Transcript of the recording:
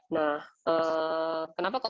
nah kenapa kok kami